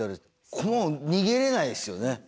逃げれないですよね。